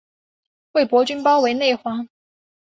魏博军包围内黄。